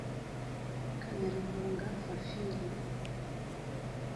Kanyarugunga Fafil